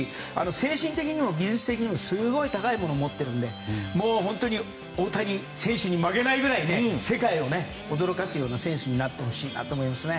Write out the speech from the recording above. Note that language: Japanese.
精神的にも技術的にもすごい高いものを持っているので本当に大谷選手に負けないくらい世界を驚かすような選手になってほしいなと思いますね。